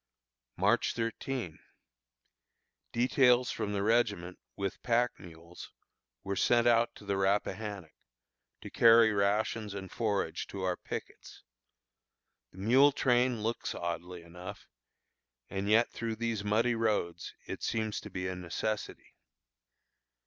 March 13. Details from the regiment, with pack mules, were sent out to the Rappahannock, to carry rations and forage to our pickets. The mule train looks oddly enough, and yet through these muddy roads it seems to be a necessity.